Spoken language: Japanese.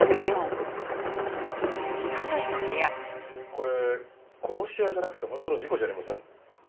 これ殺し屋じゃなくて本当の事故じゃありません？